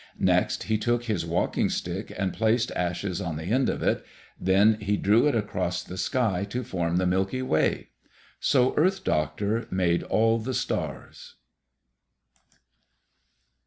Next he took his walking stick and placed ashes on the end of it. Then he drew it across the sky to form the Milky Way. So Earth Doctor made all the stars.